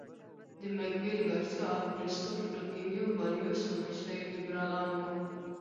د مګویل ګارسیا او جوستو روفینو باریوس په مشرۍ لیبرالان وو.